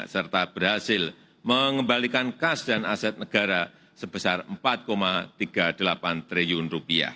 serta berhasil mengembalikan kas dan aset negara sebesar rp empat tiga puluh delapan triliun